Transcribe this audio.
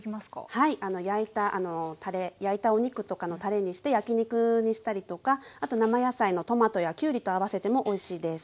はい焼いたお肉とかのたれにして焼き肉にしたりとかあと生野菜のトマトやキュウリと合わせてもおいしいです。